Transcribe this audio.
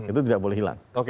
itu tidak boleh hilang